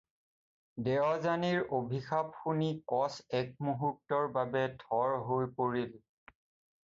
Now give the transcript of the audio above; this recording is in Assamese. দেৱযানীৰ অভিশাপ শুনি কচ একমুহূৰ্তৰ বাবে থৰ হৈ পৰিল।